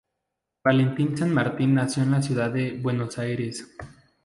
Valentín San Martín nació en la ciudad de Buenos Aires.